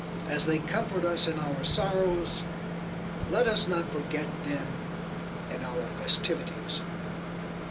As they comfort us in our sorrows, let us not forget them in our festivities.